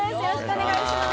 お願いします